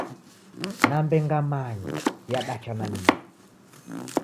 "Nambe ngamanya" yadacha nanyuma.